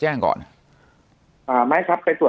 จนถึงปัจจุบันมีการมารายงานตัว